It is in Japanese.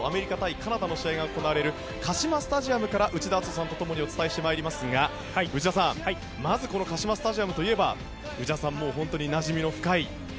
カナダの試合が行われるカシマスタジアムから内田篤人さんと共にお伝えしてまいりますが内田さん、まずこのカシマサッカースタジアムは内田さんもなじみの深い。